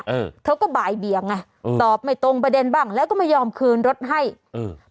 เออเธอก็บ่ายเบียงไงเออตอบไม่ตรงประเด็นบ้างแล้วก็ไม่ยอมคืนรถให้เออ